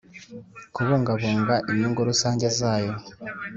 kubungabunga imyungu rusange zayo